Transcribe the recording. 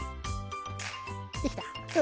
できた？